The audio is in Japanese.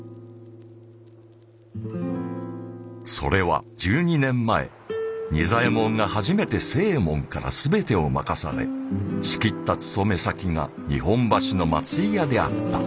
それは１２年前仁左衛門が初めて星右衛門から全てを任され仕切った盗め先が日本橋の松井屋であった。